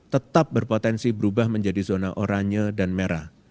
tetap berpotensi berubah menjadi zona oranye dan merah